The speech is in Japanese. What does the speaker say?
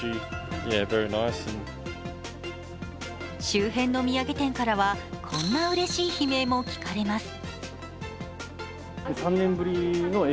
周辺の土産店からはこんなうれしい悲鳴も聞かれます。